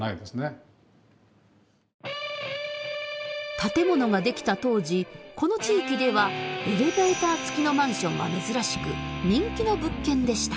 建物が出来た当時この地域ではエレベーター付きのマンションは珍しく人気の物件でした。